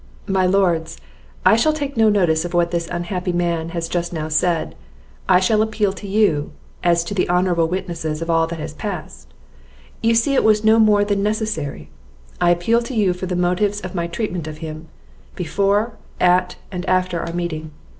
"My Lords, I shall take no notice of what this unhappy man has just now said; I shall appeal to you, as to the honourable witnesses of all that has passed; you see it was no more than necessary. I appeal to you for the motives of my treatment of him, before, at, and after our meeting.